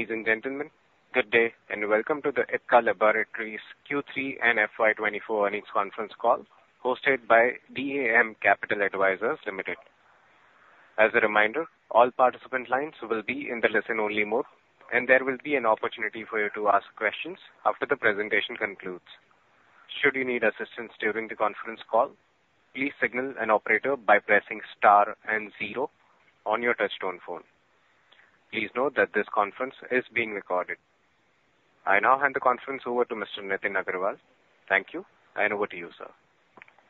Ladies and gentlemen, good day, and welcome to the Ipca Laboratories Q3 and FY 2024 earnings conference call, hosted by DAM Capital Advisors Limited. As a reminder, all participant lines will be in the listen-only mode, and there will be an opportunity for you to ask questions after the presentation concludes. Should you need assistance during the conference call, please signal an operator by pressing star and zero on your touchtone phone. Please note that this conference is being recorded. I now hand the conference over to Mr. Nitin Agarwal. Thank you, and over to you, sir.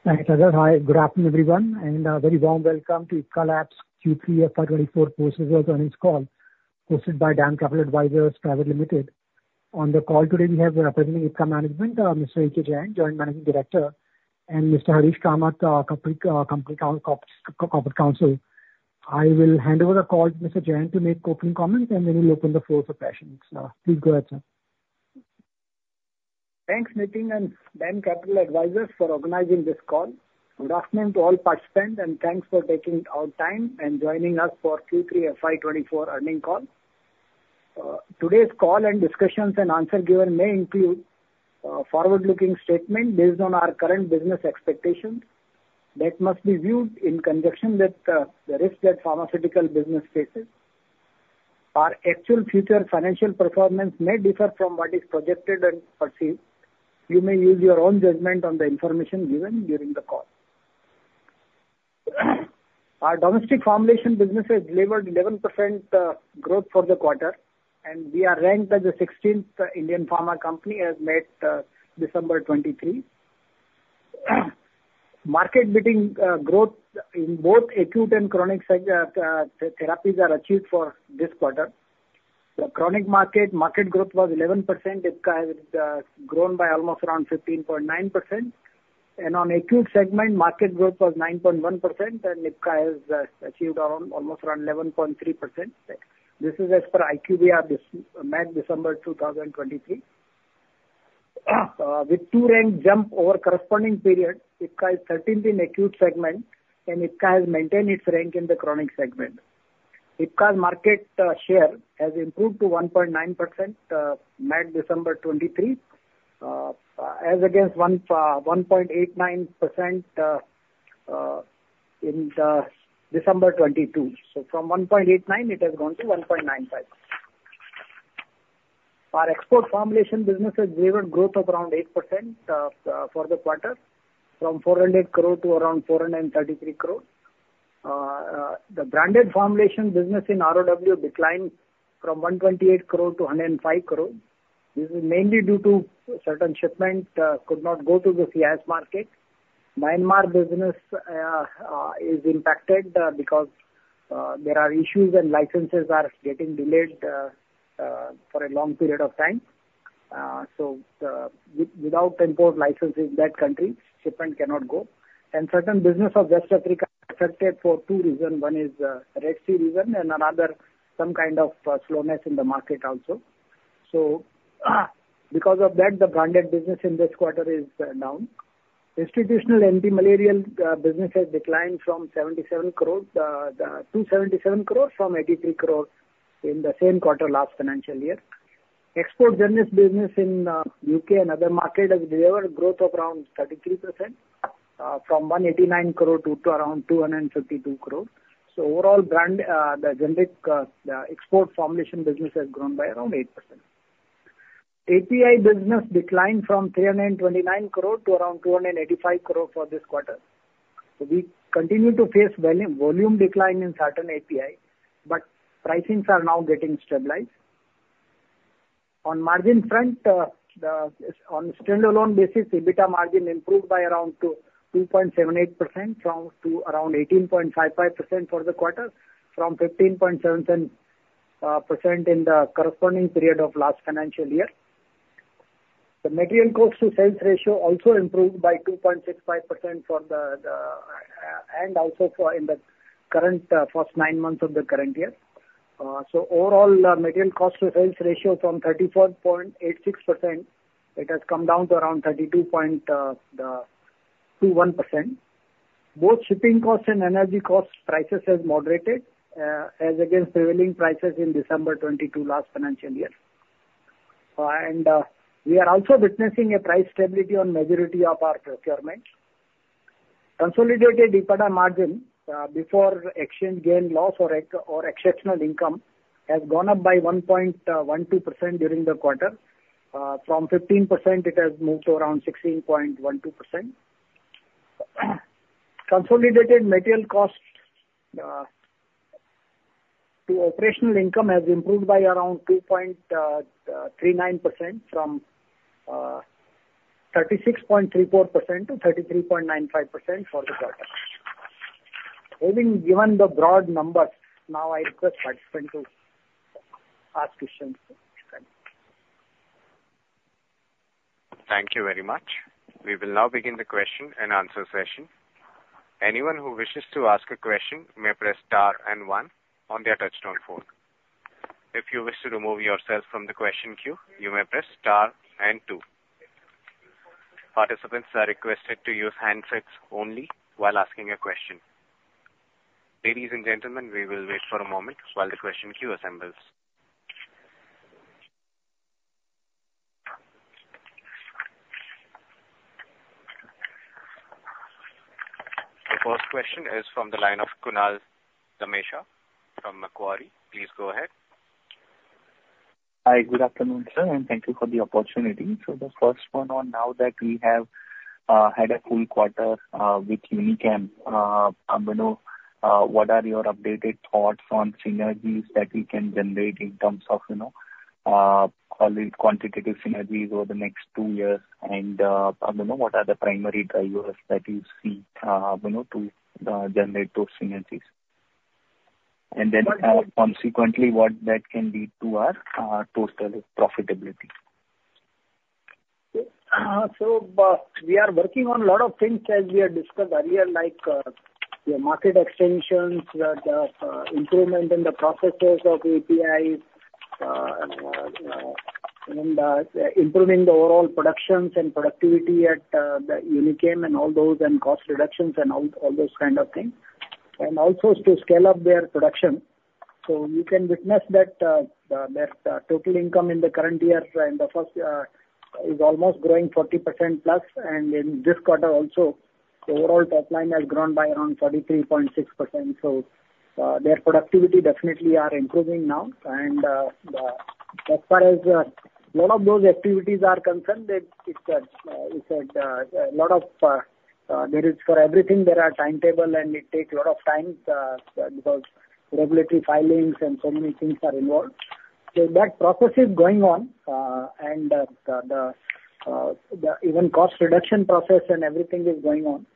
Thank you, Azhar. Hi, good afternoon, everyone, and a very warm welcome to Ipca Labs Q3 FY 2024 post results earnings call, hosted by DAM Capital Advisors Private Limited. On the call today, we have representing Ipca management, Mr. A.K. Jain, Joint Managing Director, and Mr. Harish Kamath, Corporate Counsel. I will hand over the call to Mr. Jain to make opening comments, and then we'll open the floor for questions. Please go ahead, sir. Thanks, Nitin, and DAM Capital Advisors for organizing this call. Good afternoon to all participants, and thanks for taking out time and joining us for Q3 FY 2024 earnings call. Today's call and discussions and answer given may include forward-looking statement based on our current business expectations that must be viewed in conjunction with the risk that pharmaceutical business faces. Our actual future financial performance may differ from what is projected and perceived. You may use your own judgment on the information given during the call. Our domestic formulation business has delivered 11% growth for the quarter, and we are ranked as the 16th Indian pharma company as at December 2023. Market-beating growth in both acute and chronic segments therapies are achieved for this quarter. The chronic market, market growth was 11%, IPCA has grown by almost around 15.9%, and on acute segment, market growth was 9.1%, and IPCA has achieved around, almost around 11.3%. This is as per IQVIA, MAT December 2023. With two rank jump over corresponding period, IPCA is 13th in acute segment, and IPCA has maintained its rank in the chronic segment. IPCA's market share has improved to 1.9%, MAT December 2023, as against 1.89%, in December 2022. So from 1.89, it has grown to 1.95. Our export formulation business has delivered growth of around 8%, for the quarter, from 400 crore to around 433 crore. The branded formulation business in ROW declined from 128 crore-105 crore. This is mainly due to certain shipment could not go to the CIS market. Myanmar business is impacted because there are issues, and licenses are getting delayed for a long period of time. So, without import license in that country, shipment cannot go. And certain business of West Africa are affected for two reasons. One is Red Sea reason, and another, some kind of slowness in the market also. So, because of that, the branded business in this quarter is down. Institutional anti-malarial business has declined from 83 crore-77 crore in the same quarter last financial year. Export generic business in U.K. and other market has delivered growth of around 33%, from 189 crore to around 252 crore. So overall brand, the generic, export formulation business has grown by around 8%. API business declined from 329 crore to around 285 crore for this quarter. So we continue to face volume decline in certain API, but pricings are now getting stabilized. On margin front, the, on standalone basis, EBITDA margin improved by around 2.78% from 15.77% to around 18.55% for the quarter, from fifteen point seven seven percent in the corresponding period of last financial year. The material cost to sales ratio also improved by 2.65% for the first nine months of the current year. So overall, material cost to sales ratio from 34.86%, it has come down to around 32.21%. Both shipping costs and energy costs prices have moderated as against prevailing prices in December 2022 last financial year. And we are also witnessing a price stability on majority of our procurements. Consolidated EBITDA margin before exchange gain loss or exceptional income has gone up by 1.12% during the quarter. From 15%, it has moved to around 16.12%. Consolidated material costs to operational income has improved by around 2.39% from 36.34% to 33.95% for the quarter. Having given the broad numbers, now I request participants to ask questions. Thank you. Thank you very much. We will now begin the question and answer session. Anyone who wishes to ask a question may press star and one on their touchtone phone. If you wish to remove yourself from the question queue, you may press star and two. Participants are requested to use handsets only while asking a question. Ladies and gentlemen, we will wait for a moment while the question queue assembles. The first question is from the line of Kunal Dhamesha from Macquarie. Please go ahead. Hi, good afternoon, sir, and thank you for the opportunity. So the first one on now that we have had a full quarter with Unichem, you know, what are your updated thoughts on synergies that we can generate in terms of, you know, quantitative synergies over the next two years? And, you know, what are the primary drivers that you see, you know, to generate those synergies? And then, consequently, what that can lead to our total profitability? So, we are working on a lot of things as we have discussed earlier, like, your market extensions, the improvement in the processes of APIs, and improving the overall productions and productivity at the Unichem and all those and cost reductions and all those kind of things, and also to scale up their production. So you can witness that that total income in the current year and the first is almost growing 40%+. And in this quarter also, the overall top line has grown by around 33.6%. So, their productivity definitely are improving now. As far as a lot of those activities are concerned, it's a lot of, there is for everything there are timetable, and it takes a lot of time because regulatory filings and so many things are involved. So that process is going on, and the even cost reduction process and everything is going on.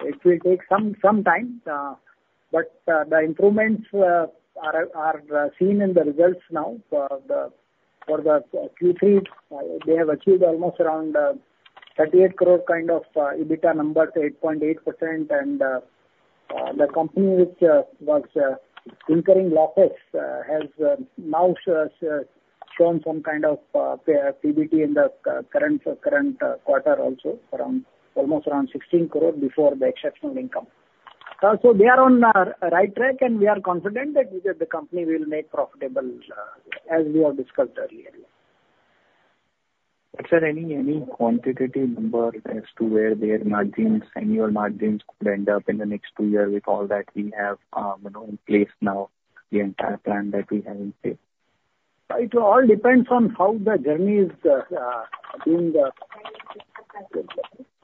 It will take some time, but the improvements are seen in the results now for the Q3. They have achieved almost around 38 crore kind of EBITDA numbers, 8.8%. The company, which was incurring losses, has now shown some kind of PBT in the current quarter, also from almost around 16 crore before the exceptional income. So we are on the right track, and we are confident that the company will make profitable, as we have discussed earlier. Is there any quantitative number as to where their margins, annual margins could end up in the next two years with all that we have, you know, in place now, the entire plan that we have in place? It all depends on how the journey is being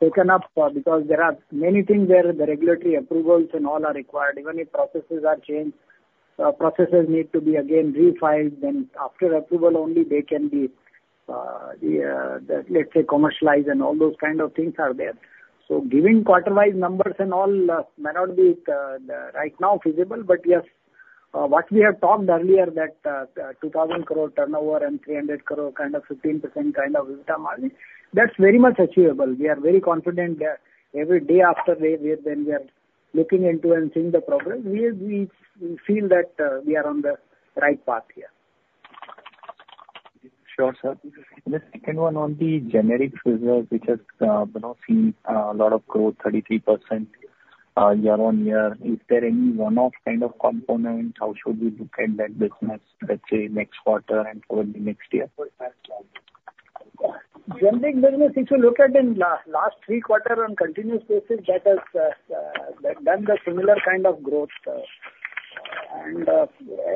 taken up, because there are many things where the regulatory approvals and all are required. Even if processes are changed, processes need to be again refiled. Then after approval only they can be, let's say, commercialized and all those kind of things are there. So giving quarter-wise numbers and all may not be right now feasible. But yes, what we have talked earlier that 2,000 crore turnover and 300 crore, kind of 15% kind of EBITDA margin, that's very much achievable. We are very confident that every day after we, when we are looking into and seeing the progress, we feel that we are on the right path here. Sure, sir. The second one on the generic business, which has, you know, seen a lot of growth, 33%, year-on-year. Is there any one-off kind of component? How should we look at that business, let's say, next quarter and probably next year? Generic business, if you look at in last three quarter on continuous basis, that has done the similar kind of growth. And,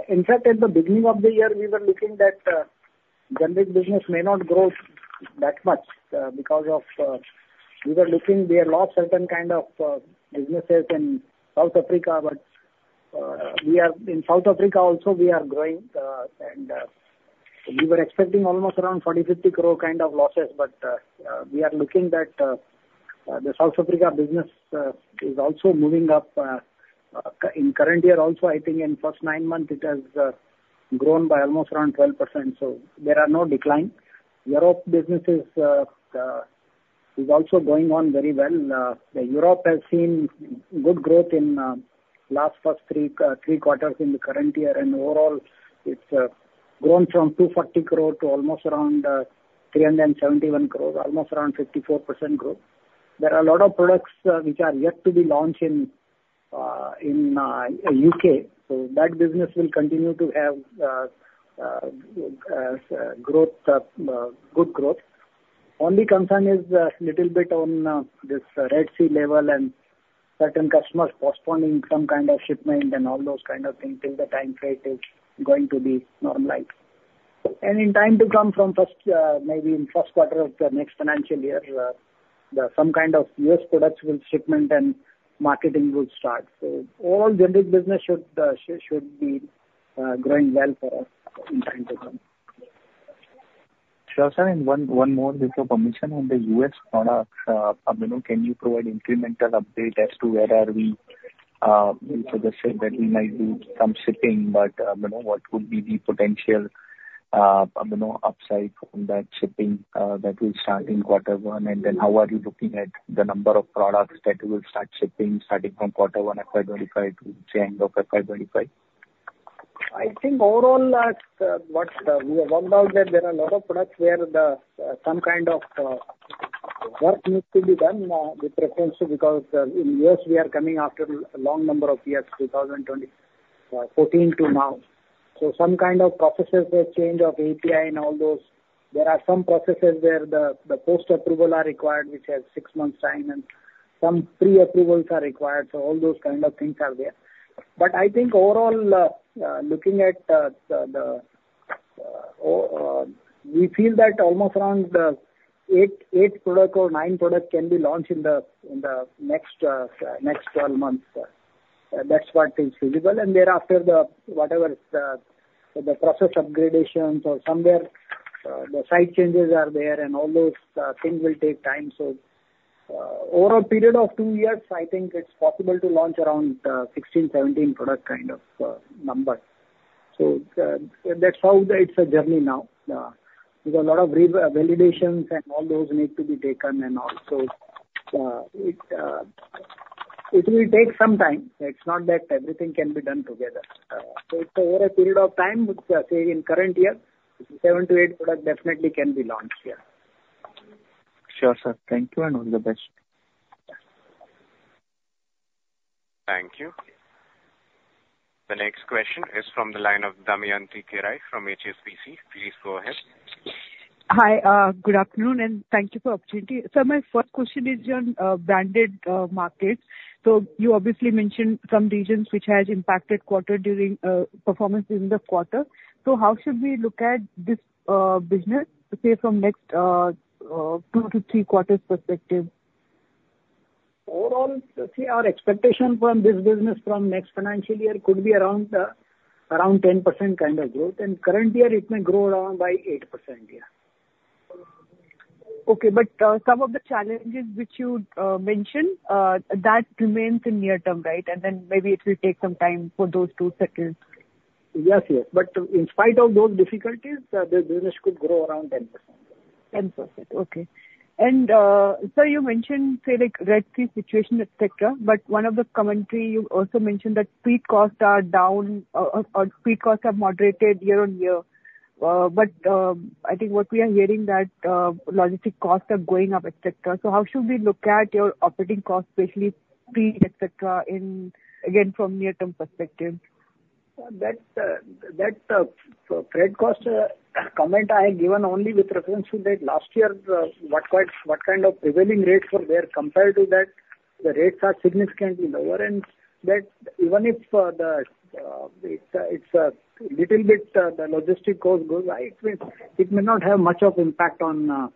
in fact, at the beginning of the year, we were looking that generic business may not grow that much because of we had lost certain kind of businesses in South Africa, but in South Africa also, we are growing, and we were expecting almost around 40 crore-50 crore kind of losses. But we are looking that the South Africa business is also moving up in current year also, I think in first nine months, it has grown by almost around 12%, so there are no decline. Europe business is also going on very well. Europe has seen good growth in the last three quarters in the current year, and overall it's grown from 240 crore to almost around 371 crore, almost around 54% growth. There are a lot of products which are yet to be launched in the U.K. So that business will continue to have good growth. Only concern is little bit on this Red Sea level and certain customers postponing some kind of shipment and all those kind of things till the time freight is going to be normalized. And in time to come from first maybe in first quarter of the next financial year there are some kind of U.S. products with shipment and marketing will start. So all generic business should be growing well for us in time to come. Sure, sir, and one more, with your permission on the U.S. products. You know, can you provide incremental update as to where are we? You suggested that we might do some shipping, but you know, what would be the potential upside from that shipping that will start in quarter one? And then how are you looking at the number of products that will start shipping, starting from quarter one, FY 2025 to the end of FY 2025? I think overall, we have worked out that there are a lot of products where some kind of work needs to be done with reference to, because in U.S., we are coming after a long number of years, 2014 to now. So some kind of processes were changed of API and all those. There are some processes where the post-approval are required, which has six months time, and some pre-approvals are required. So all those kind of things are there. But I think overall, looking at, we feel that almost around eight or nine product can be launched in the next 12 months. That's what is feasible, and thereafter, whatever the process upgradations or somewhere, the site changes are there, and all those things will take time. So, over a period of two years, I think it's possible to launch around 16, 17 product kind of numbers. So, that's how it's a journey now. There's a lot of re-validations and all those need to be taken and all. So, it will take some time. It's not that everything can be done together. So it's over a period of time, but say in current year, seven to eight product definitely can be launched, yeah. Sure, sir. Thank you, and all the best. Thank you. The next question is from the line of Damayanti Kerai from HSBC. Please go ahead. Hi, good afternoon, and thank you for the opportunity. Sir, my first question is on branded markets. So you obviously mentioned some regions which has impacted quarter during performance during the quarter. So how should we look at this business, say, from next two to three quarters perspective? Overall, see, our expectation from this business from next financial year could be around, around 10% kind of growth, and current year it may grow around by 8%, yeah. Okay, but, some of the challenges which you mentioned, that remains in near term, right? And then maybe it will take some time for those to settle. Yes, yes. But in spite of those difficulties, the business could grow around 10%. 10%. Okay. And, sir, you mentioned, say, like, Red Sea situation, etc, but one of the commentary you also mentioned that freight costs are down, or freight costs are moderated year-on-year. But, I think what we are hearing that logistic costs are going up, etc. So how should we look at your operating costs, especially freight, etc, in, again, from near-term perspective? That freight cost comment I have given only with reference to that last year, what kind of prevailing rates were there. Compared to that, the rates are significantly lower, and even if the logistic cost goes a little bit high, it may not have much of impact on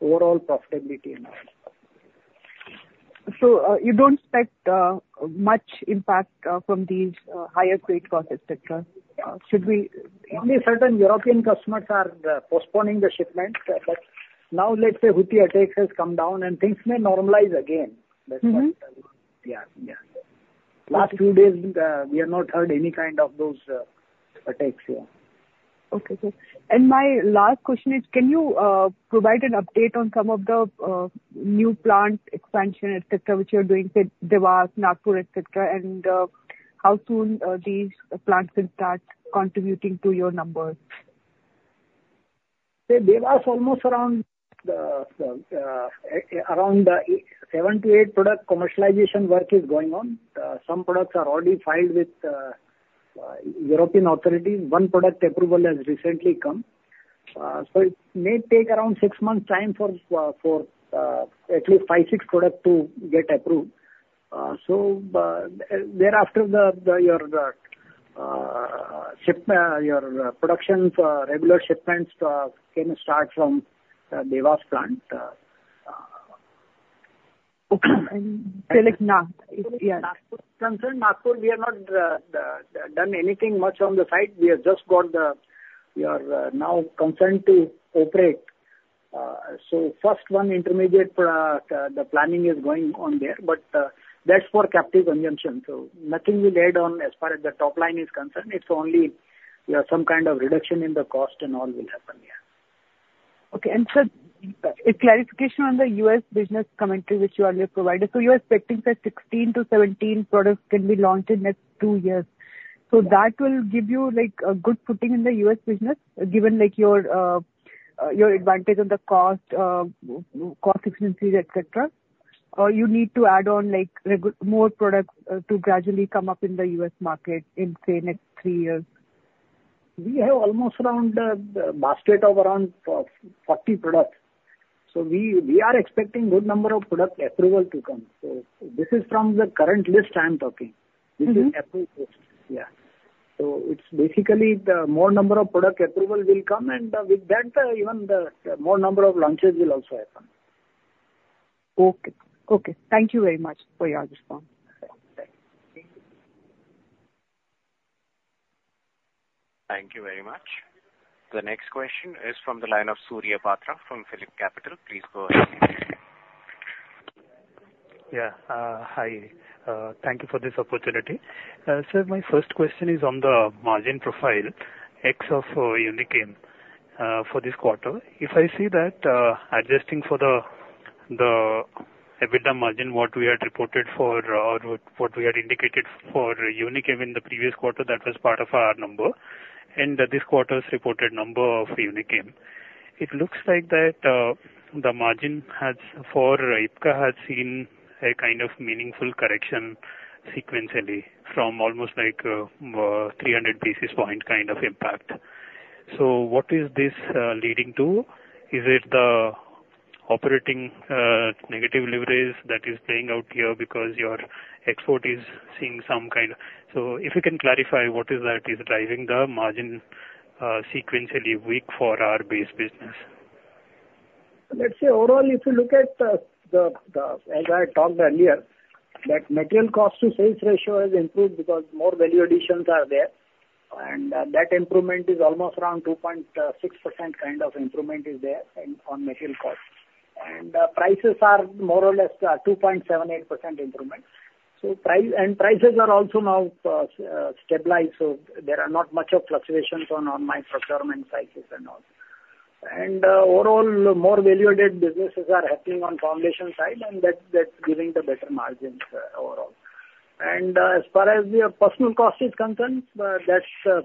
overall profitability now. You don't expect much impact from these higher freight costs, etc? Yeah. Should we- Only certain European customers are postponing the shipments, but now let's say Houthi attacks has come down and things may normalize again. That's what. Yeah, yeah. Last few days, we have not heard any kind of those attacks, yeah. Okay, good. And my last question is, can you provide an update on some of the new plant expansion, etc, which you're doing, say, Dewas, Nagpur, etc, and how soon these plants will start contributing to your numbers? The Dewas, almost around seven to eight product commercialization work is going on. Some products are already filed with European authorities. One product approval has recently come. So it may take around six months' time for at least five to six products to get approved. So, thereafter, the production for regular shipments can start from Dewas plant. Okay. And say, like, Nagpur, yeah. Nagpur concerned, Nagpur, we have not done anything much on the site. We have just got the... We are now concerned to operate. So first one, intermediate product, the planning is going on there, but that's for captive consumption, so nothing will add on as far as the top line is concerned. It's only some kind of reduction in the cost and all will happen. Okay. And sir, a clarification on the U.S. business commentary, which you earlier provided. So you are expecting that 16-17 products can be launched in next two years. Yeah. So that will give you, like, a good footing in the U.S. business, given, like, your advantage on the cost efficiencies, etc? Or you need to add on, like, more products, to gradually come up in the U.S. market in, say, next three years? We have almost around the basket of around 40 products. So we, we are expecting good number of product approval to come. So this is from the current list I am talking. This is approval, yeah. So it's basically the more number of product approval will come, and with that, even the more number of launches will also happen. Okay. Okay, thank you very much for your response. Thanks. Thank you very much. The next question is from the line of Surya Patra from PhillipCapital. Please go ahead. Yeah. Hi. Thank you for this opportunity. Sir, my first question is on the margin profile, ex of Unichem, for this quarter. If I see that, adjusting for the EBITDA margin, what we had reported for, or what we had indicated for Unichem in the previous quarter, that was part of our number, and this quarter's reported number of Unichem. It looks like that, the margin has, for Ipca, has seen a kind of meaningful correction sequentially from almost like, 300 basis point kind of impact. So what is this leading to? Is it the operating negative leverage that is playing out here because your export is seeing some kind? So if you can clarify, what is that is driving the margin sequentially weak for our base business? Let's say overall, if you look at the, as I had talked earlier, that material cost to sales ratio has improved because more value additions are there, and, that improvement is almost around 2.6% kind of improvement is there in, on material costs. And, prices are more or less, 2.78% improvement. And prices are also now, stabilized, so there are not much of fluctuations on, on my procurement cycles and all. And, overall, more value-added businesses are happening on formulation side, and that's, that's giving the better margins, overall. And, as far as your personal cost is concerned, that's,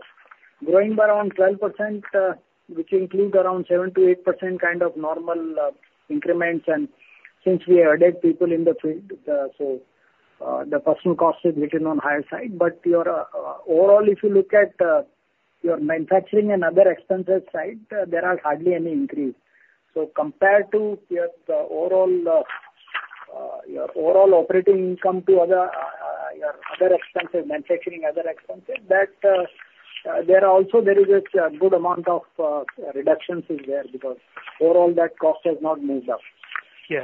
growing by around 12%, which includes around 7%-8% kind of normal, increments. Since we added people in the field, the personnel cost is a little on the higher side. But overall, if you look at your manufacturing and other expenses side, there is hardly any increase. Compared to your overall operating income to other, your other expenses, manufacturing, other expenses, that there is also a good amount of reductions because overall that cost has not moved up. Yeah.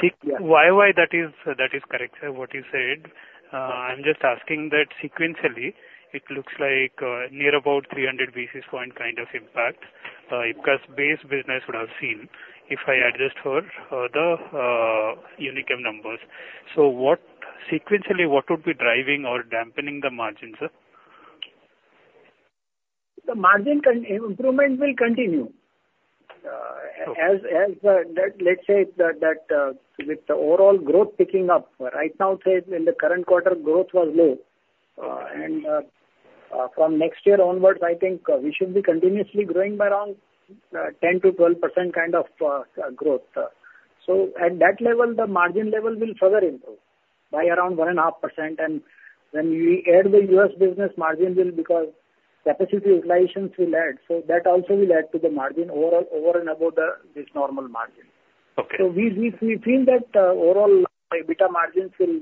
See, YoY that is, that is correct, sir, what you said. I'm just asking that sequentially, it looks like, near about 300 basis point kind of impact, Ipca's base business would have seen if I adjust for, the, Unichem numbers. So, what sequentially, what would be driving or dampening the margins, sir? The margin improvement will continue. As, let's say that, with the overall growth picking up, right now, say, in the current quarter, growth was low, and from next year onwards, I think we should be continuously growing by around 10%-12% kind of growth. So at that level, the margin level will further improve by around 1.5%, and when we add the U.S. business, margins will because capacity utilizations will add. So that also will add to the margin over and above this normal margin. Okay. So we feel that overall EBITDA margins will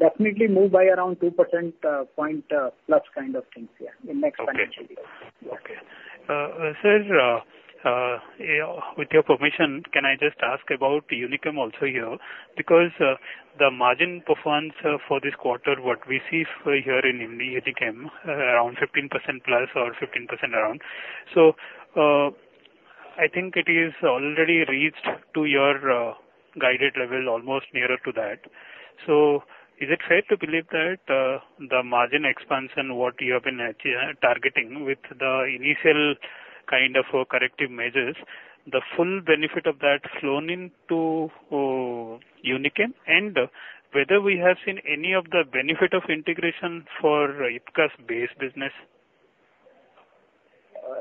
definitely move by around 2 percentage points plus kind of things, yeah, in next financial year. Okay. Sir, with your permission, can I just ask about Unichem also here? Because, the margin performance, for this quarter, what we see for here in India, it came, around 15%+ or 15% around. So, I think it is already reached to your, guided level, almost nearer to that. So is it fair to believe that, the margin expansion, what you have been targeting with the initial kind of, corrective measures, the full benefit of that flown into, Unichem, and whether we have seen any of the benefit of integration for IPCA's base business?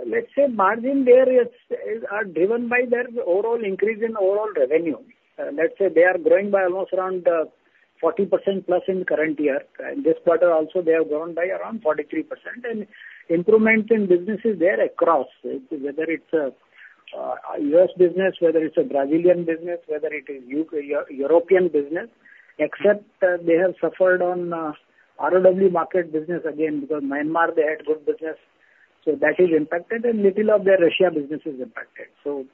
Let's say margin there is are driven by their overall increase in overall revenue. Let's say they are growing by almost around 40%+ in current year. In this quarter also, they have grown by around 43%. And improvement in business is there across, whether it's U.S. business, whether it's a Brazilian business, whether it is U.K., European business, except they have suffered on ROW market business again, because Myanmar, they had good business, so that is impacted and little of their Russia business is impacted. So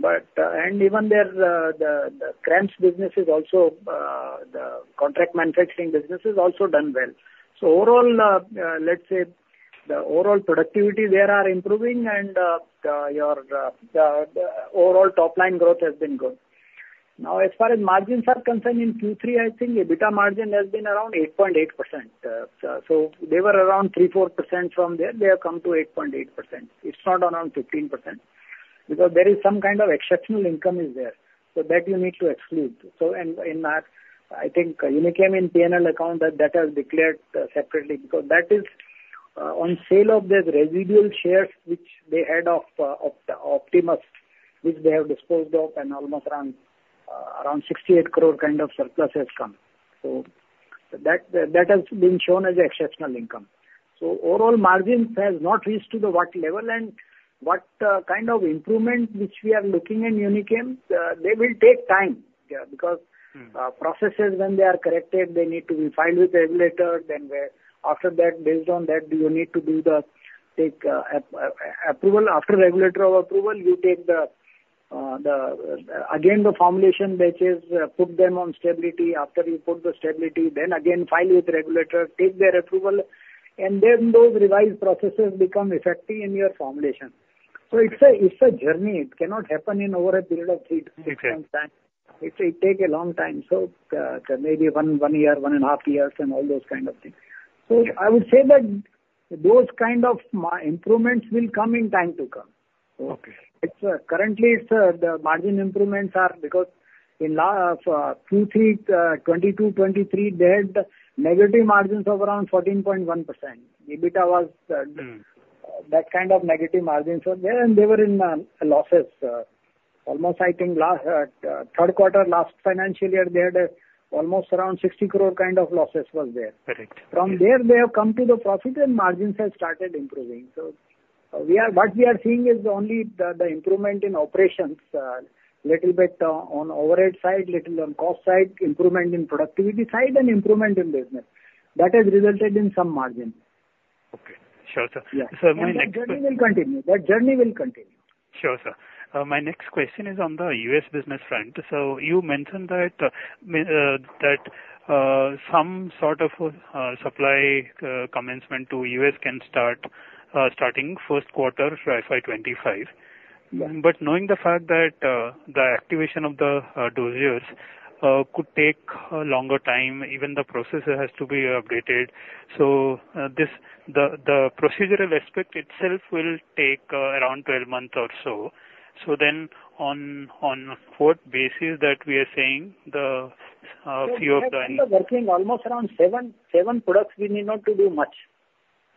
but, and even their the CRAMS business is also the contract manufacturing business is also done well. So overall, let's say, the overall productivity there are improving and your the overall top line growth has been good. Now, as far as margins are concerned, in Q3, I think EBITDA margin has been around 8.8%. So they were around 3%-4%. From there, they have come to 8.8%. It's not around 15%, because there is some kind of exceptional income is there, so that you need to exclude. So and, and that, I think Unichem in P&L account, that, that has declared, separately, because that is, on sale of their residual shares, which they had of, Optimus, which they have disposed of and almost around, around 68 crore kind of surplus has come. So that, that has been shown as exceptional income. So overall margins has not reached to the what level and what, kind of improvement which we are looking in Unichem, they will take time, because processes, when they are corrected, they need to be filed with the regulator. Then, after that, based on that, you need to take approval. After regulator approval, you take the formulation batches again, put them on stability. After you put them on stability, then again file with the regulator, take their approval, and then those revised processes become effective in your formulation. Okay. So it's a journey. It cannot happen in over a period of three to four months time. Okay. It takes a long time, so maybe one year, one and a half years and all those kind of things. So I would say that those kind of improvements will come in time to come. Okay. Currently, it's the margin improvements are because in last two, three, 2022, 2023, they had negative margins of around 14.1%. EBITDA was that kind of negative margins were there, and they were in losses, almost I think last third quarter, last financial year, they had almost around 60 crore kind of losses was there. Correct. From there, they have come to the profit and margins have started improving. So what we are seeing is only the improvement in operations, little bit on overhead side, little on cost side, improvement in productivity side and improvement in business. That has resulted in some margin. Okay. Sure, sir. Yeah. My next- The journey will continue. That journey will continue. Sure, sir. My next question is on the U.S. business front. So you mentioned that some sort of supply commencement to U.S. can start starting first quarter FY 2025. Yeah. But knowing the fact that the activation of the dossiers could take a longer time, even the procedure has to be updated. So this, the procedural aspect itself will take around 12 months or so. So then on, on what basis that we are saying the few of the- We are working almost around seven, seven products we need not to do much.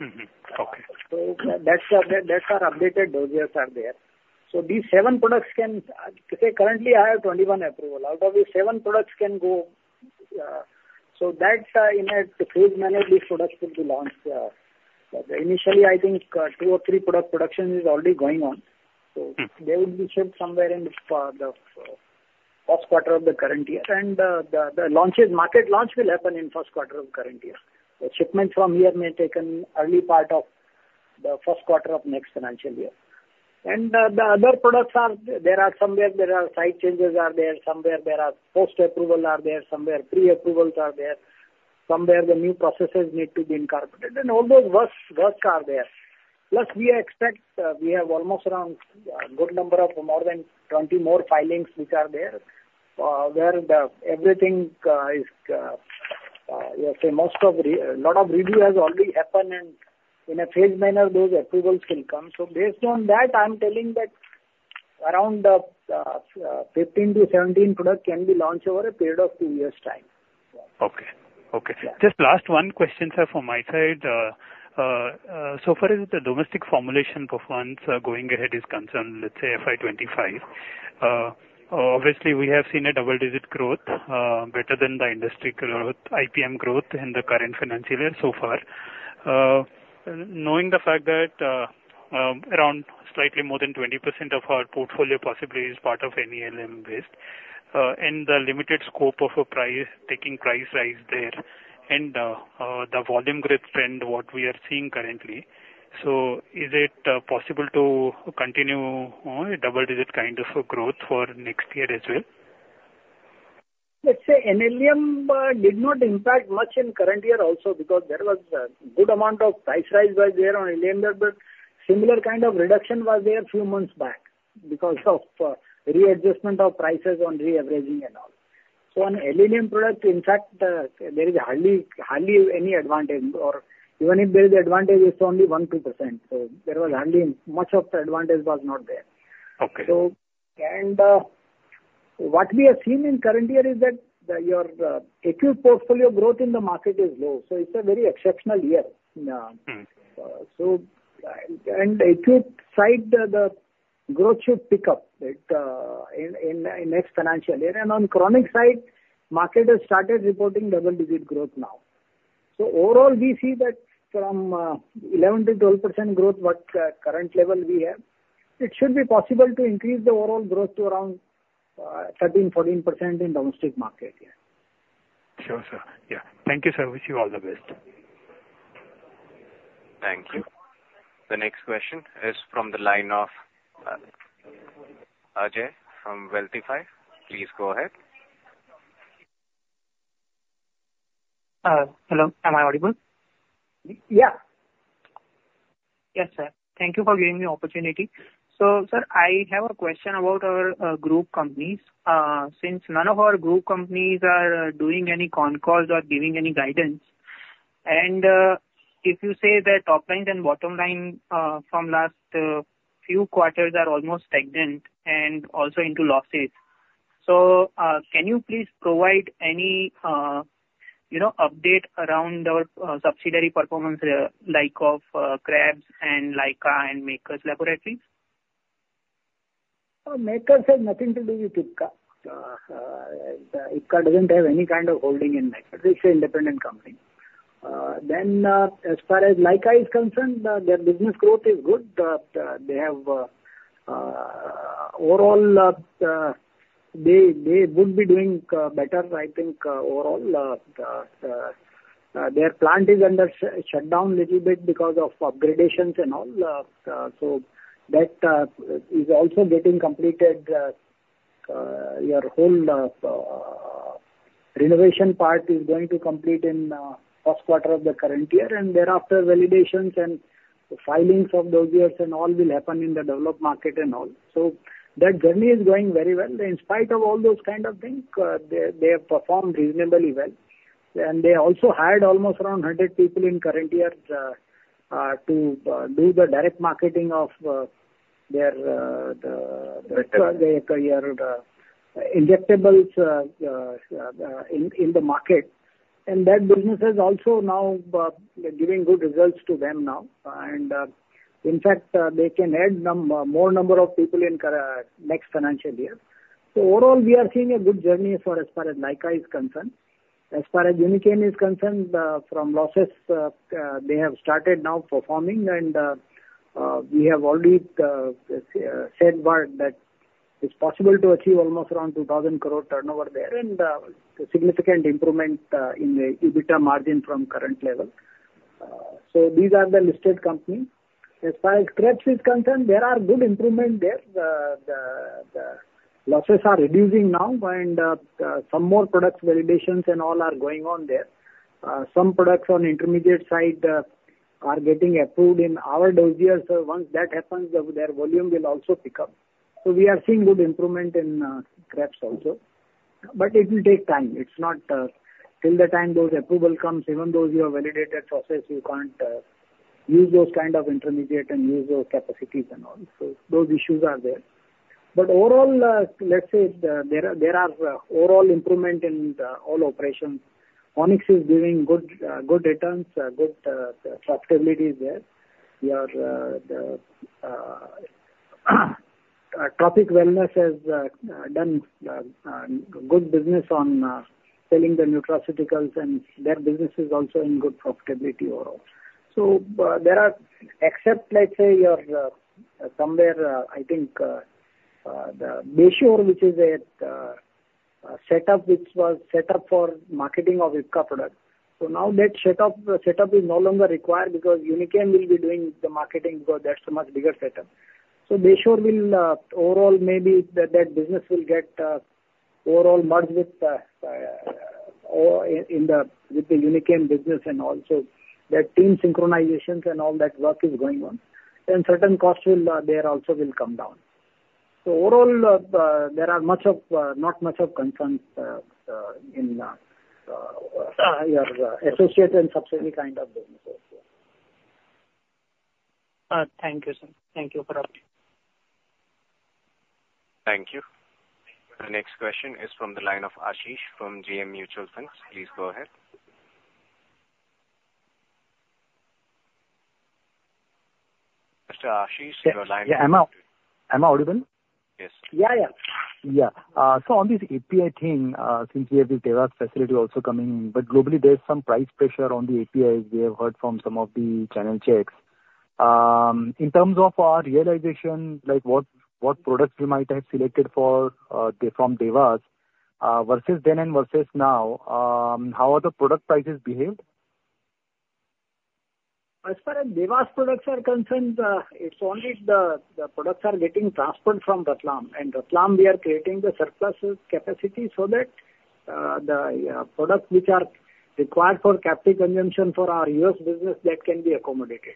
Okay. So that's our updated dossiers are there. So these seven products can. So currently I have 21 approvals. Out of these, seven products can go. So that's in a phased manner, these products could be launched. Initially, I think, two or three product production is already going on. So they would be shipped somewhere in the first quarter of the current year. The launches, market launch will happen in first quarter of current year. The shipment from here may take an early part of the first quarter of next financial year. The other products are, there are somewhere there are slight changes are there, somewhere there are post-approval are there, somewhere pre-approvals are there, somewhere the new processes need to be incorporated. All those works, works are there. Plus, we expect we have almost around a good number of more than 20 more filings which are there, where the everything is, let's say most of a lot of review has already happened, and in a phased manner, those approvals will come. Based on that, I'm telling that around 15-17 products can be launched over a period of two years' time. Okay. Okay. Just last one question, sir, from my side. So far as the domestic formulation performance, going ahead is concerned, let's say FY 2025, obviously we have seen a double-digit growth, better than the industry growth, IPM growth in the current financial year so far. Knowing the fact that, around slightly more than 20% of our portfolio possibly is part of NLEM base, and the limited scope of a price, taking price rise there and, the volume growth trend, what we are seeing currently. So is it, possible to continue on a double-digit kind of a growth for next year as well? Let's say NLEM did not impact much in current year also because there was a good amount of price rise was there on NLEM, but similar kind of reduction was there a few months back because of readjustment of prices on reaveraging and all. So on NLEM product, in fact, there is hardly, hardly any advantage or even if there is advantage, it's only 1%-2%. So there was hardly, much of the advantage was not there. Okay. So, what we have seen in the current year is that your acute portfolio growth in the market is low, so it's a very exceptional year. So, on acute side, the growth should pick up in next financial year. And on chronic side, market has started reporting double-digit growth now. So overall, we see that from 11%-12% growth what current level we have, it should be possible to increase the overall growth to around 13%-14% in domestic market. Yeah. Sure, sir. Yeah. Thank you, sir. Wish you all the best. Thank you. The next question is from the line of Ajay from [Wealthify]. Please go ahead. Hello, am I audible? Yeah. Yes, sir. Thank you for giving me opportunity. So sir, I have a question about our group companies. Since none of our group companies are doing any con calls or giving any guidance, and if you say that top line and bottom line from last few quarters are almost stagnant and also into losses. So, can you please provide any, you know, update around our subsidiary performance, like of CRAMS and Lyka and Makers Laboratories? Makers has nothing to do with Ipca. Ipca doesn't have any kind of holding in Makers. It's an independent company. Then, as far as Lyka is concerned, their business growth is good. They have, overall, they would be doing better, I think, overall. Their plant is under shut down little bit because of upgradations and all. So that is also getting completed, the whole renovation part is going to complete in first quarter of the current year, and thereafter validations and filings of those areas and all will happen in the developed market and all. So that journey is going very well. In spite of all those kind of things, they have performed reasonably well. They also hired almost around 100 people in current years to do the direct marketing of their injectables in the market. And that business is also now giving good results to them now. And in fact, they can add more number of people in next financial year. So overall, we are seeing a good journey as far as Lyka is concerned. As far as Unichem is concerned, from losses they have started now performing, and we have already said that it's possible to achieve almost around 2,000 crore turnover there, and significant improvement in the EBITDA margin from current level. So these are the listed companies. As far as CRAMS is concerned, there are good improvement there. The losses are reducing now, and some more products validations and all are going on there. Some products on intermediate side are getting approved in our dosages, so once that happens, their volume will also pick up. So we are seeing good improvement in CRAMS also. But it will take time. It's not till the time those approval comes, even though you have validated process, you can't use those kind of intermediate and use those capacities and all. So those issues are there. But overall, let's say, there are overall improvement in the all operations. Onyx is giving good returns, good profitability is there. The Trophic Wellness has done good business on selling the nutraceuticals, and their business is also in good profitability overall. So, there are, except let's say, your, somewhere, I think, the Bayshore, which is a setup which was set up for marketing of Ipca product. So now that setup is no longer required because Unichem will be doing the marketing because that's a much bigger setup. So Bayshore will overall, maybe that business will get overall merged with or in the Unichem business and all, so that team synchronizations and all that work is going on, and certain costs will there also come down. So overall, there are not much of concerns in your associated and subsidiary kind of business also. Thank you, sir. Thank you for updating. Thank you. The next question is from the line of Ashish from JM Mutual Fund. Please go ahead. Mr. Ashish, your line is open. Yeah. Am I, am I audible? Yes. Yeah, yeah. Yeah. So on this API thing, since we have the Dewas facility also coming, but globally there's some price pressure on the APIs. We have heard from some of the channel checks. In terms of our realization, like, what, what products we might have selected for, from Dewas, versus then and versus now, how are the product prices behaved? As far as Dewas products are concerned, it's only the, the products are getting transferred from Ratlam, and Ratlam, we are creating the surplus capacity so that, the, products which are required for captive consumption for our U.S. business, that can be accommodated.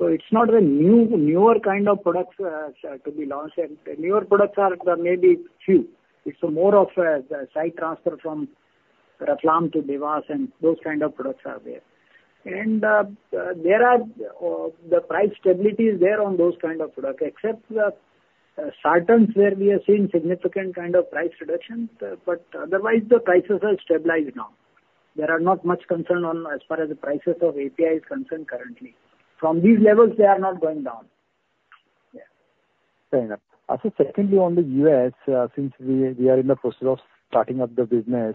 So it's not a new, newer kind of products to be launched, and newer products are there may be few. It's more of a, site transfer from Ratlam to Dewas, and those kind of products are there. And, there are, the price stability is there on those kind of products, except the, certain where we are seeing significant kind of price reductions, but otherwise, the prices are stabilized now. There are not much concern on as far as the prices of API is concerned currently. From these levels, they are not going down. Yeah. Fair enough. Also, secondly, on the U.S., since we are in the process of starting up the business,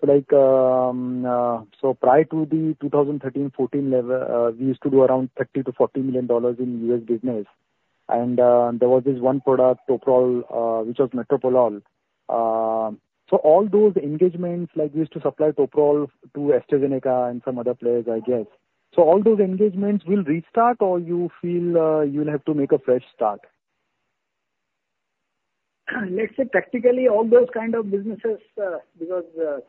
so like, so prior to the 2013- 2014 level, we used to do around $30 million-$40 million in U.S. business, and, there was this one product, Toprol, which was metoprolol. So all those engagements, like we used to supply Toprol to AstraZeneca and some other players, I guess. So all those engagements will restart, or you feel, you'll have to make a fresh start? Let's say practically all those kind of businesses, because it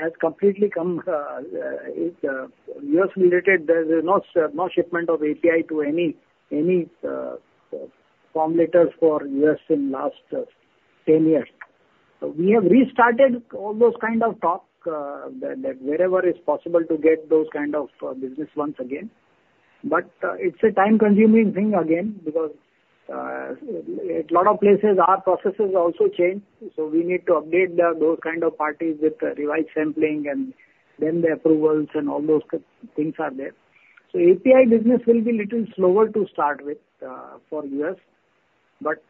has completely come, U.S. related, there's no shipment of API to any formulators for U.S. in last 10 years. So we have restarted all those kind of talk, that wherever is possible to get those kind of business once again. But it's a time-consuming thing again because a lot of places, our processes also change, so we need to update those kind of parties with the revised sampling and then the approvals and all those things are there. So API business will be little slower to start with for U.S. But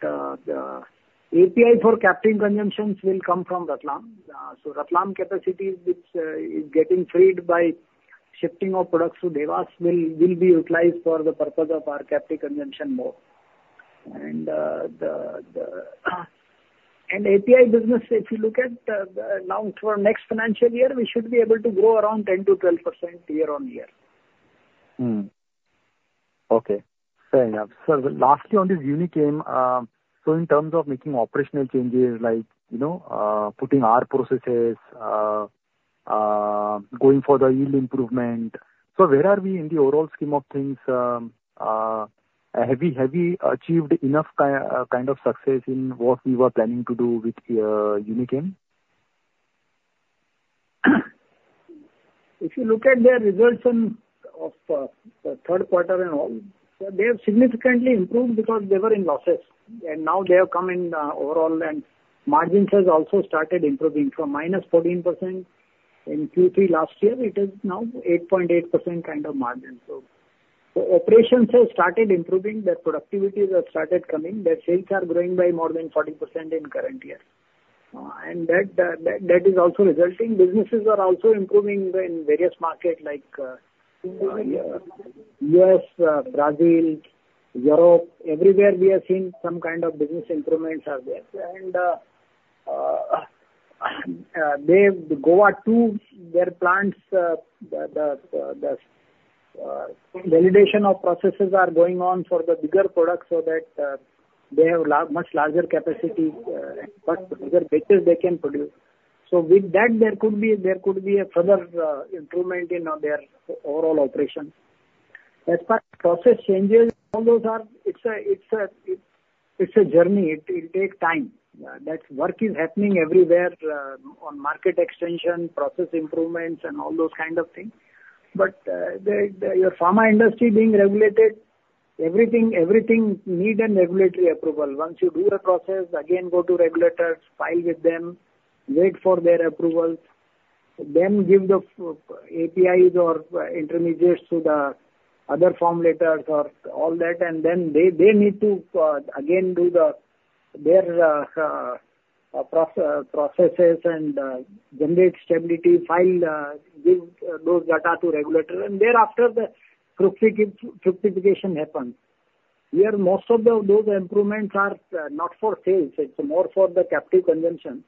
the API for captive consumptions will come from Ratlam. So Ratlam capacity, which is getting freed by shifting of products to Dewas, will be utilized for the purpose of our capacity consumption more. And API business, if you look at, now for next financial year, we should be able to grow around 10%-12% year-on-year. Okay. Fair enough. So lastly, on this Unichem, so in terms of making operational changes like, you know, putting our processes, going for the yield improvement, so where are we in the overall scheme of things? Have we achieved enough kind of success in what we were planning to do with Unichem? If you look at their results in, of, the third quarter and all, so they have significantly improved because they were in losses, and now they have come in, overall, and margins has also started improving from -14% in Q3 last year, it is now 8.8% kind of margin. So operations have started improving, their productivities have started coming. Their sales are growing by more than 40% in current year. And that, that, that is also resulting. Businesses are also improving in various market like, U.S., Brazil, Europe. Everywhere we are seeing some kind of business improvements are there. They've got to their plants, the validation of processes are going on for the bigger products so that they have much larger capacity, but bigger batches they can produce. So with that, there could be a further improvement in their overall operation. As far as process changes, all those are, it's a journey. It takes time. That work is happening everywhere, on market extension, process improvements, and all those kind of things. But the pharma industry being regulated, everything need a regulatory approval. Once you do the process, again go to regulators, file with them, wait for their approvals, then give the APIs or intermediates to the other formulators or all that, and then they need to again do their processes and generate stability, file, give those data to regulator, and thereafter the certification happens. Here, most of those improvements are not for sales; it's more for the captive consumption.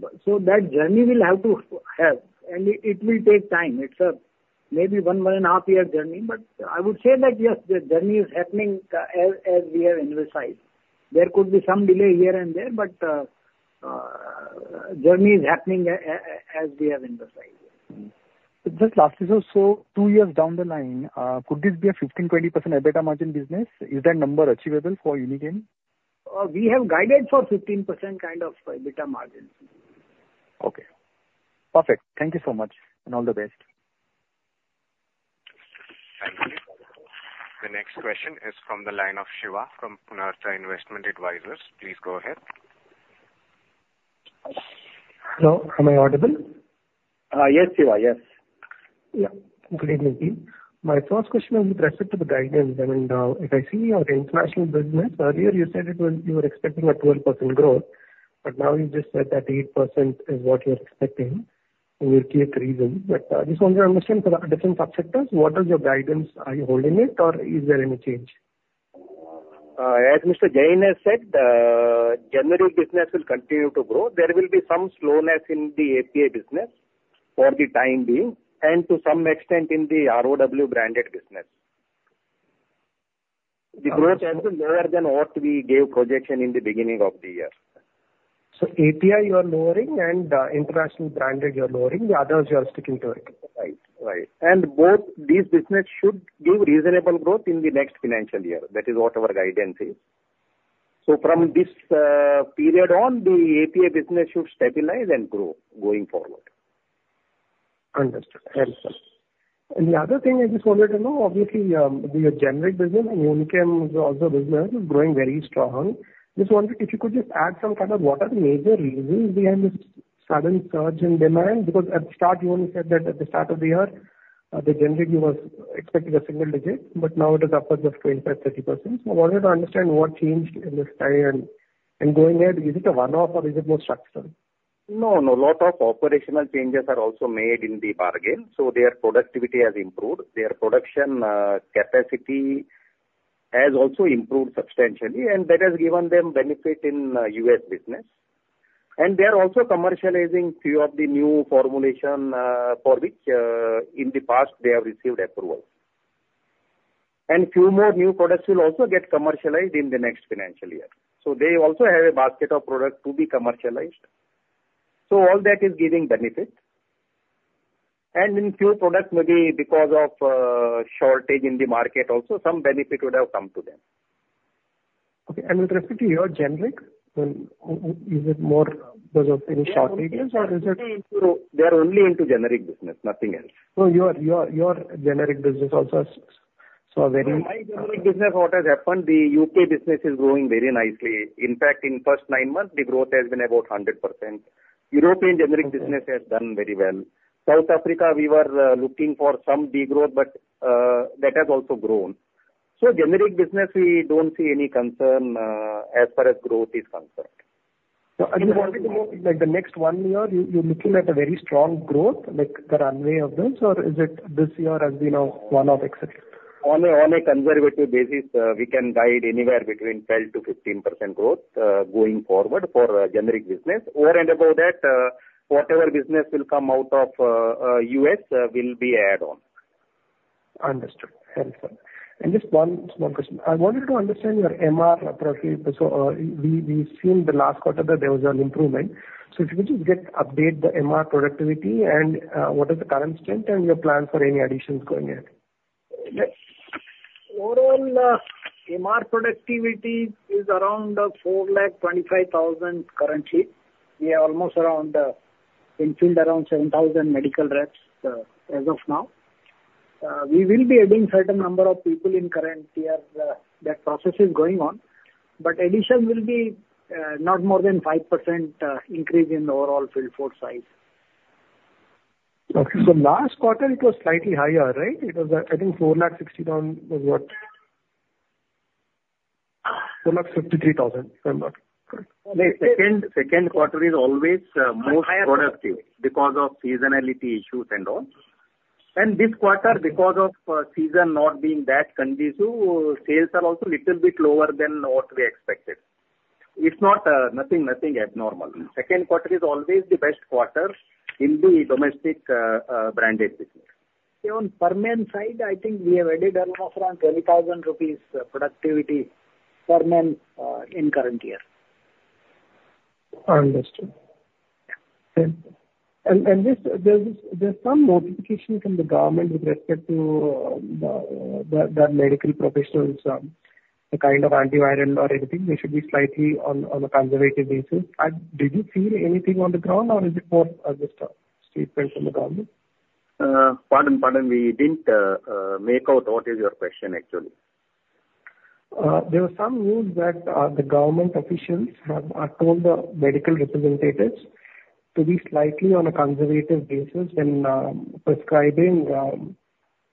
But so that journey will have to help, and it will take time. It's maybe a one to 1.5-year journey, but I would say that, yes, the journey is happening, as we have emphasized. There could be some delay here and there, but journey is happening as we have emphasized. Just lastly, so two years down the line, could this be a 15%-20% EBITDA margin business? Is that number achievable for Unichem? We have guided for 15% kind of EBITDA margins. Okay, perfect. Thank you so much, and all the best. Thank you. The next question is from the line of Shiva from Purnartha Investment Advisors. Please go ahead. Hello, am I audible? Yes, Shiva, yes. Yeah. Good evening, team. My first question is with respect to the guidance. I mean, if I see your international business, earlier you said it was, you were expecting a 12% growth, but now you just said that 8% is what you're expecting, and you gave the reason. But I just want to understand for the different sub-sectors, what is your guidance? Are you holding it, or is there any change? As Mr. Jain has said, generic business will continue to grow. There will be some slowness in the API business for the time being, and to some extent in the ROW branded business. The growth has been lower than what we gave projection in the beginning of the year. API you are lowering and international branded you're lowering, the others you are sticking to it? Right. Right. And both these business should give reasonable growth in the next financial year. That is what our guidance is. So from this period on, the API business should stabilize and grow going forward. Understood. Excellent. And the other thing I just wanted to know, obviously, the generic business and Unichem, is also business is growing very strong. Just wanted, if you could just add some kind of what are the major reasons behind this sudden surge in demand? Because at the start, you only said that at the start of the year, the generic, you was expecting a single digit, but now it is upwards of 25%, 30%. So I wanted to understand what changed in this time, and going ahead, is it a one-off or is it more structural? No, no. A lot of operational changes are also made in the bargain, so their productivity has improved. Their production capacity has also improved substantially, and that has given them benefit in U.S. business. And they are also commercializing a few of the new formulations for which in the past they have received approval. And a few more new products will also get commercialized in the next financial year. So they also have a basket of products to be commercialized. So all that is giving benefit. And in a few products, maybe because of shortage in the market also, some benefit would have come to them. Okay, and with respect to your generic, then is it more because of any shortages, or is it? They are only into generic business, nothing else. No, your generic business also saw very- My generic business, what has happened, the U.K. business is growing very nicely. In fact, in first nine months, the growth has been about 100%. European generic business has done very well. South Africa, we were looking for some degrowth, but that has also grown. So generic business, we don't see any concern as far as growth is concerned. I just wanted to know, like the next one year, you, you're looking at a very strong growth, like the runway of this, or is it this year has been a one-off success? On a conservative basis, we can guide anywhere between 12%-15% growth, going forward for generic business. Over and above that, whatever business will come out of U.S. will be add on. Understood. Excellent. Just one small question. I wanted to understand your MR productivity. So, we, we've seen the last quarter that there was an improvement. So if you could just get update the MR productivity and, what is the current strength and your plan for any additions going ahead? Overall, MR productivity is around 425,000 currently. We are almost around, in field, around 7,000 medical reps, as of now. We will be adding certain number of people in current year. That process is going on, but addition will be not more than 5% increase in the overall field force size. Okay, so last quarter it was slightly higher, right? It was, I think 460,000 was what? 453,000, if I'm not wrong. The second, second quarter is always, most productive. Higher. Because of seasonality issues and all. And this quarter, because of season not being that conducive, sales are also a little bit lower than what we expected. It's not nothing abnormal. Second quarter is always the best quarter in the domestic branded business. On permanent side, I think we have added almost around 20,000 rupees productivity per month in current year. Understood. And this, there's some notification from the government with respect to the medical professionals, the kind of antiviral or anything, they should be slightly on a conservative basis. Did you feel anything on the ground, or is it more just statements from the government? Pardon, pardon, we didn't make out what is your question, actually. There were some news that the government officials have told the medical representatives to be slightly on a conservative basis when prescribing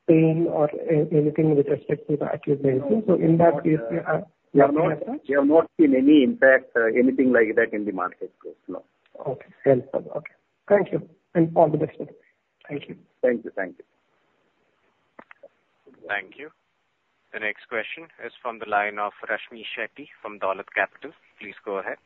pain or anything with respect to the acute basis. So in that case, we have- We have not, we have not seen any impact, anything like that in the market so far. Okay. Understood. Okay. Thank you, and all the best, sir. Thank you. Thank you. Thank you. Thank you. The next question is from the line of Rashmi Shetty from Dolat Capital. Please go ahead.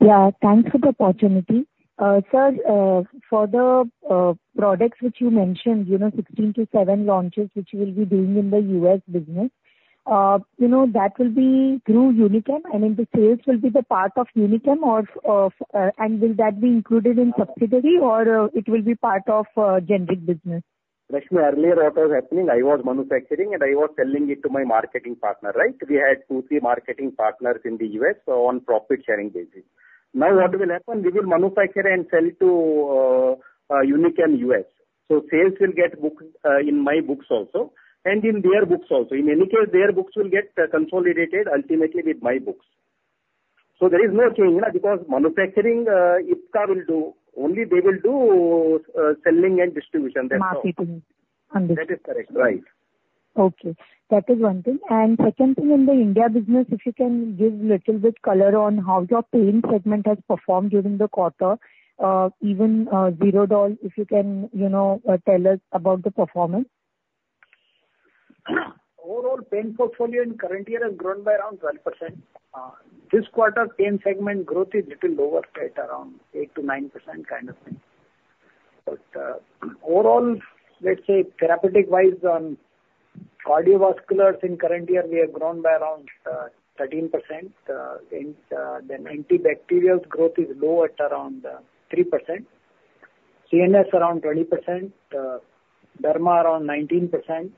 Yeah, thanks for the opportunity. Sir, for the products which you mentioned, you know, 16-7 launches, which you will be doing in the U.S. business, you know, that will be through Unichem? And then the sales will be the part of Unichem or, and will that be included in subsidiary or, it will be part of generic business? Rashmi, earlier what was happening, I was manufacturing and I was selling it to my marketing partner, right? We had two, three marketing partners in the U.S, on profit-sharing basis. Now what will happen, we will manufacture and sell it to Unichem U.S. So sales will get booked in my books also and in their books also. In any case, their books will get consolidated ultimately with my books. So there is no change, you know, because manufacturing, Ipca will do. Only they will do selling and distribution, that's all. Marketing. Understood. That is correct, right? Okay, that is one thing. And second thing, in the India business, if you can give little bit color on how your pain segment has performed during the quarter, even Zerodol, if you can, you know, tell us about the performance. Overall pain portfolio in current year has grown by around 12%. This quarter, pain segment growth is little lower, at around 8%-9% kind of thing. But, overall, let's say therapeutic-wise on cardiovascular in current year, we have grown by around 13%. In the antibacterials growth is low at around 3%, CNS around 20%, derma around 19%,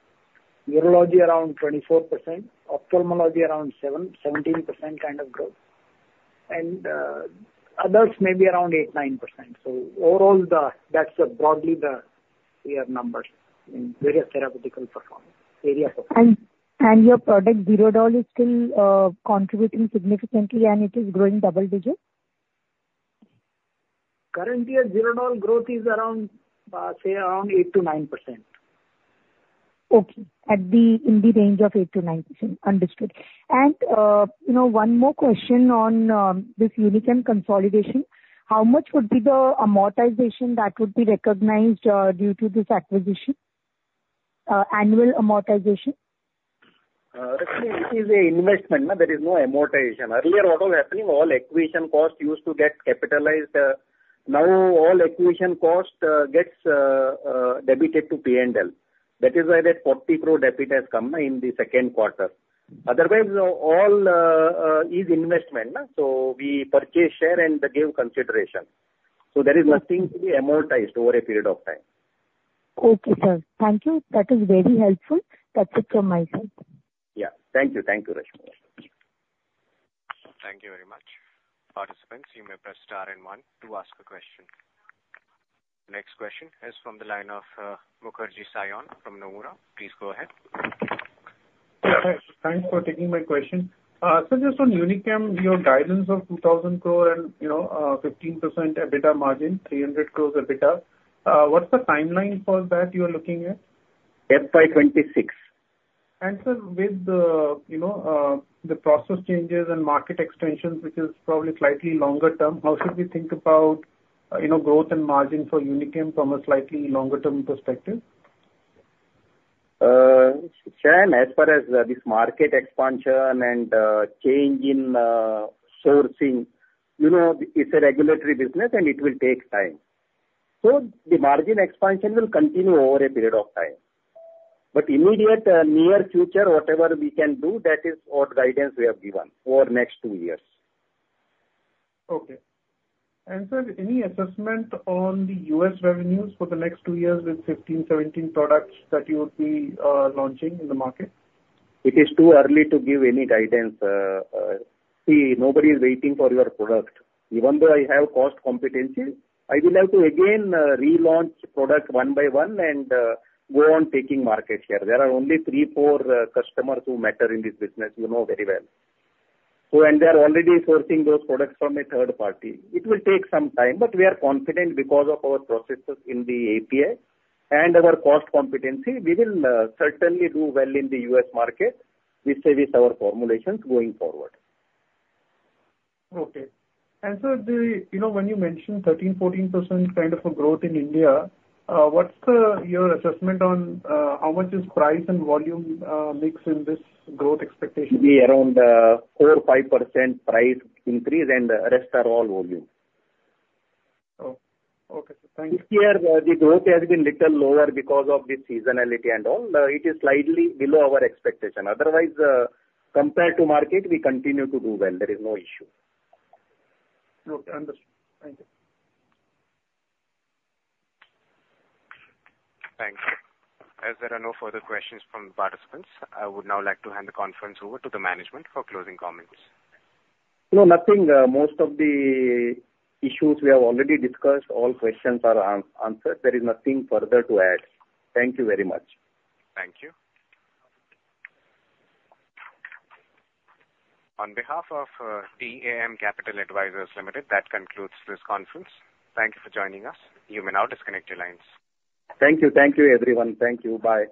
urology around 24%, ophthalmology around 7%-17% kind of growth, and, others maybe around 8%-9%. So overall, the... That's broadly the year numbers in various therapeutic performance, areas of in- And your product, Zerodol, is still contributing significantly and it is growing double digits? Current year, Zerodol growth is around, say around 8%-9%. Okay, in the range of 8%-9%. Understood. And, you know, one more question on this Unichem consolidation. How much would be the amortization that would be recognized due to this acquisition, annual amortization? Rashmi, it is a investment, no? There is no amortization. Earlier, what was happening, all acquisition costs used to get capitalized. Now all acquisition costs gets debited to P&L. That is why that 40 crore debit has come in the second quarter. Otherwise, all is investment, no? So we purchase share and they give consideration. There is nothing to be amortized over a period of time. Okay, sir. Thank you. That is very helpful. That's it from my side. Yeah. Thank you. Thank you, Rashmi. Thank you very much. Participants, you may press star and one to ask a question. Next question is from the line of Saion Mukherjee from Nomura. Please go ahead. Yeah, thanks for taking my question. So just on Unichem, your guidance of 2,000 crore and, you know, 15% EBITDA margin, 300 crore EBITDA, what's the timeline for that you are looking at? FY 2026. Sir, with the, you know, the process changes and market extensions, which is probably slightly longer term, how should we think about, you know, growth and margin for Unichem from a slightly longer term perspective? Saion, as far as this market expansion and change in sourcing, you know, it's a regulatory business and it will take time. So the margin expansion will continue over a period of time. But immediate, near future, whatever we can do, that is what guidance we have given for next two years. Okay. And sir, any assessment on the U.S. revenues for the next two years with 15-17 products that you would be launching in the market? It is too early to give any guidance. See, nobody is waiting for your product. Even though I have cost competency, I will have to again relaunch product one by one and go on taking market share. There are only three, four customers who matter in this business, you know very well. So, they're already sourcing those products from a third party. It will take some time, but we are confident because of our processes in the API and our cost competency, we will certainly do well in the U.S. market, we say, with our formulations going forward. Okay. Sir, the... You know, when you mentioned 13%-14% kind of a growth in India, what's your assessment on how much is price and volume mix in this growth expectation? Be around 4%-5% price increase, and the rest are all volume. Oh, okay. Thank you. This year, the growth has been little lower because of the seasonality and all. It is slightly below our expectation. Otherwise, compared to market, we continue to do well. There is no issue. Okay, understood. Thank you. Thanks. As there are no further questions from participants, I would now like to hand the conference over to the management for closing comments. No, nothing. Most of the issues we have already discussed. All questions are answered. There is nothing further to add. Thank you very much. Thank you. On behalf of DAM Capital Advisors Limited, that concludes this conference. Thank you for joining us. You may now disconnect your lines. Thank you. Thank you, everyone. Thank you. Bye.